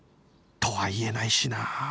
とは言えないしなあ